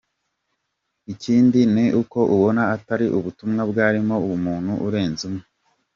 Ikindi ni uko ubona atari ubutumwa bwarimo umuntu urenze umwe.